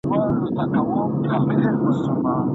علمي سیمینار بې پوښتني نه منل کیږي.